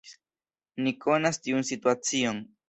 Ni konas tiun situacion.